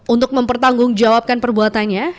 untuk mempertanggung jawabkan perbuatannya